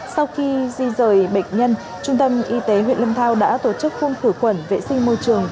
sau khi di rời bệnh nhân trung tâm y tế huyện lâm thao đã tổ chức phun khử khuẩn vệ sinh môi trường